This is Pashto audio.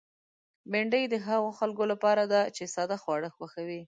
بېنډۍ د هغو خلکو لپاره ده چې ساده خواړه خوښوي